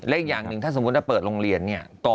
และอีกอย่างหนึ่งถ้าสมมุติจะเปิดโรงเรียนเนี่ย